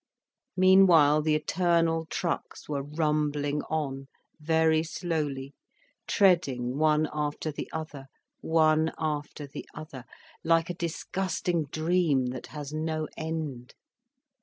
Meanwhile the eternal trucks were rumbling on, very slowly, treading one after the other, one after the other, like a disgusting dream that has no end.